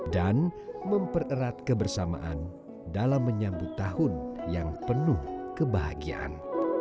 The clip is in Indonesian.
dan mempererat kebersamaan dalam menyambut tahun yang penuh kebahagiaan